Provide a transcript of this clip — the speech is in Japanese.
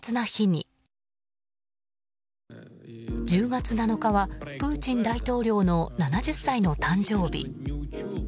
１０月７日はプーチン大統領の７０歳の誕生日。